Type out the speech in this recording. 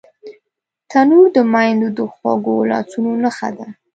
تنور د میندو د خوږو لاسونو نښه ده